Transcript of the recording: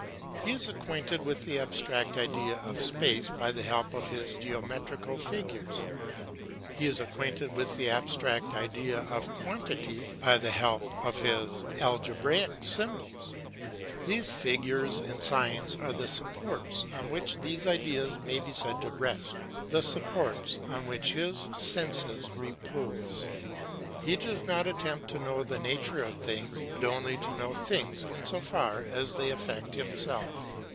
He is acquainted with the abstract idea of space by the help of his geometrical figures; he is acquainted with the abstract idea of quantity by the help of his algebraical symbols. These figures and signs are the supports on which these ideas may be said to rest, the supports on which his senses repose. He does not attempt to know the nature of things, but only to know things in so far as they affect himself.